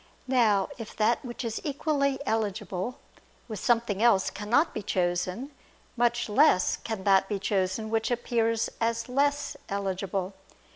Now, if that which is equally (eligible) with something else cannot be chosen, much less can that be chosen which appears as less (eligible).